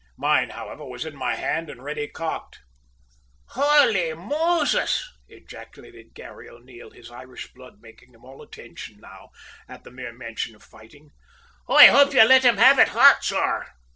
"Mine, however, was in my hand and ready cocked." "Houly Moses!" ejaculated Garry O'Neil, his Irish blood making him all attention now at the mere mention of fighting. "I hope ye let 'em have it hot, sor!